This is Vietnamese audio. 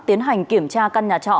tiến hành kiểm tra căn nhà trọ